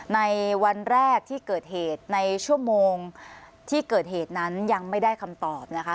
ในวันแรกที่เกิดเหตุในชั่วโมงที่เกิดเหตุนั้นยังไม่ได้คำตอบนะคะ